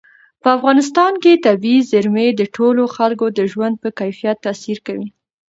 په افغانستان کې طبیعي زیرمې د ټولو خلکو د ژوند په کیفیت تاثیر کوي.